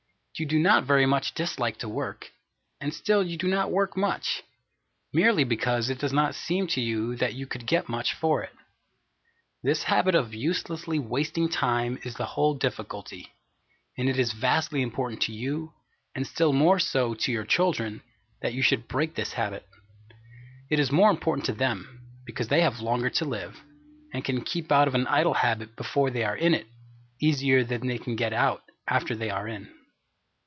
You do not very much dislike to work, and still you do not work much, merely because it does not seem to you that you could get much for it. This habit of uselessly wasting time, is the whole difficulty; and it is vastly important to you, and still more so to your children, that you should break this habit. It is more important to them, because they have longer to live, and can keep out of an idle habit before they are in it easier than they can get out after they are in.